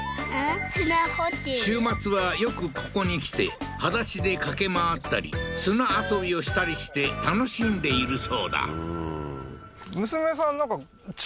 週末はよくここに来てはだしで駆け回ったり砂遊びをしたりして楽しんでいるそうだ